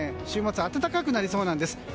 週末暖かくなりそうなんです。